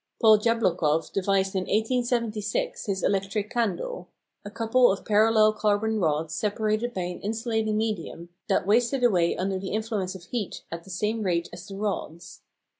Paul Jablochkoff devised in 1876 his "electric candle" a couple of parallel carbon rods separated by an insulating medium that wasted away under the influence of heat at the same rate as the rods.